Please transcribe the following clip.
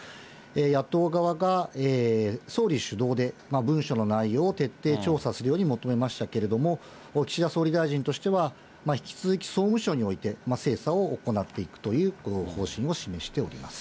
野党側が、総理主導で文書の内容を徹底調査するように求めましたけれども、岸田総理大臣としては、引き続き総務省において、精査を行っていくという方針を示しております。